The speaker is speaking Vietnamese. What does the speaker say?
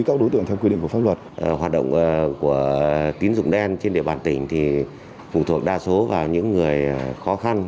các đối tượng hoạt động tín dụng đen trên địa bàn tỉnh phụ thuộc đa số vào những người khó khăn